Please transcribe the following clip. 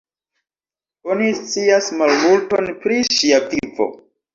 Oni scias malmulton pri ŝia vivo.